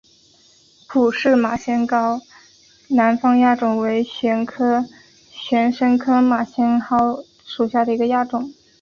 普氏马先蒿南方亚种为玄参科马先蒿属下的一个亚种。